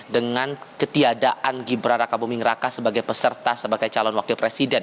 dengan ketiadaan gibran raka buming raka sebagai peserta sebagai calon wakil presiden